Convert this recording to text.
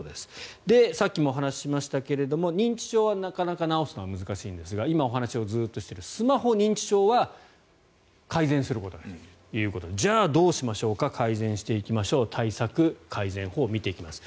さっきもお話ししましたけれども認知症はなかなか治すのは難しいんですが今、お話をずっとしているスマホ認知症は改善することができるということでじゃあ、どうしましょうか改善していきましょう対策、改善法見ていきます。